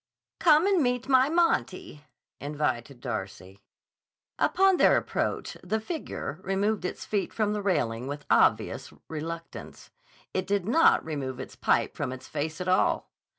"Come and meet my Monty," invited Darcy. Upon their approach, the figure removed its feet from the railing with obvious reluctance. It did not remove its pipe from its face at all.